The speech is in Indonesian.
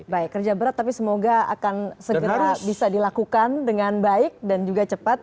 baik kerja berat tapi semoga akan segera bisa dilakukan dengan baik dan juga cepat